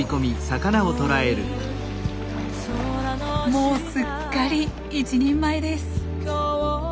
もうすっかり一人前です。